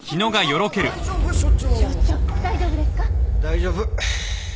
大丈夫。